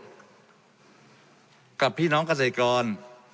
กับพี่น้องเกษตรกร